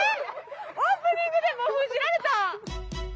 オープニングでもう封じられた！